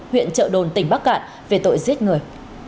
huyện trợ đồn tỉnh bắc cạn về tội giết người